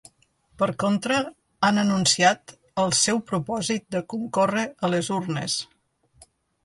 Per contra, han anunciat ‘el seu propòsit de concórrer a les urnes’.